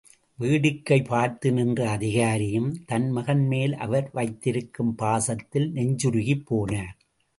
வேடிக்கை பார்த்து நின்ற அதிகாரியும், தன் மகன் மேல் அவர் வைத்திருக்கும் பாசத்தில் நெஞ்சுருகிப் போனார்.